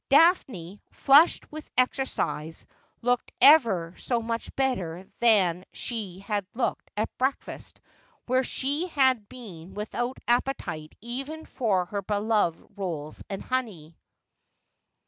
Daphne, flushed with exercise, looked ever so much better than she had looked at breakfast, where she had been without appetite even for her beloved rolls and honey.